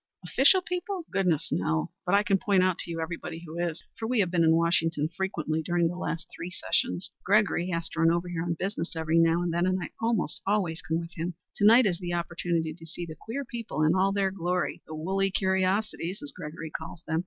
"Official people? Goodness, no. But I can point out to you who everybody is, for we have been in Washington frequently during the last three sessions. Gregory has to run over here on business every now and then, and I almost always come with him. To night is the opportunity to see the queer people in all their glory the woolly curiosities, as Gregory calls them.